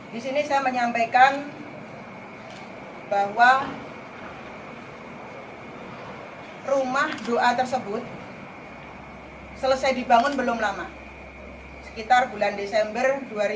di sini saya menyampaikan bahwa rumah doa tersebut selesai dibangun belum lama sekitar bulan desember dua ribu dua puluh